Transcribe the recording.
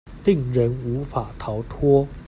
令人無法逃脫